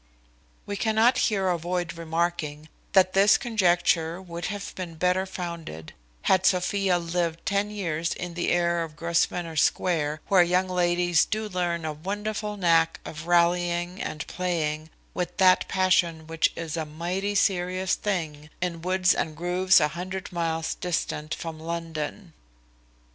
We cannot here avoid remarking, that this conjecture would have been better founded had Sophia lived ten years in the air of Grosvenor Square, where young ladies do learn a wonderful knack of rallying and playing with that passion, which is a mighty serious thing in woods and groves an hundred miles distant from London.